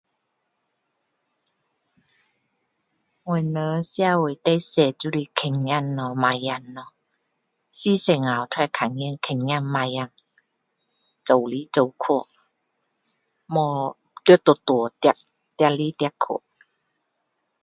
我们社会最多就是狗仔猫仔咯是哪里都会看到的狗仔猫仔走来走去没有在路路跑跑来跑去